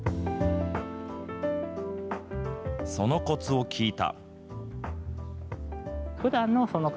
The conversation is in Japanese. そのこつを聞いた。